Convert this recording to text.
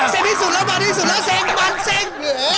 เซงที่สุดแล้วมันที่สุดแล้วเซง